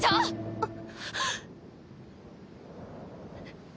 あっ。